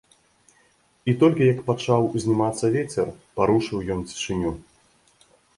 І толькі як пачаў узнімацца вецер, парушыў ён цішыню.